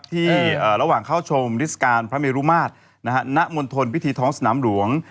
ที่ระหว่างเข้าชมฤทธิ์การภรรมีรุมาตรนะฮะนมนตรวิทธิท้องสนามหลวง